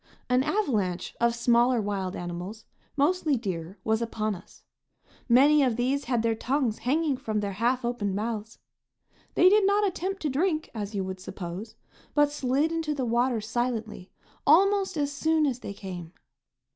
An avalanche of smaller wild animals, mostly deer, was upon us. Many of these had their tongues hanging from their half opened mouths. They did not attempt to drink, as you would suppose, but slid into the water silently almost as soon as they came.